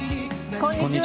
こんにちは。